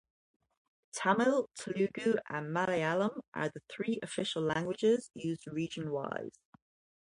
Tamil, Telugu and Malayalam are the three official languages used region-wise.